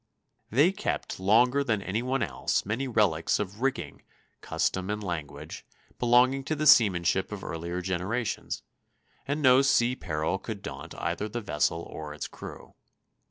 They kept longer than any one else many relics of rigging, custom, and language, belonging to the seamanship of earlier generations; and no sea peril could daunt either the vessel or its crew.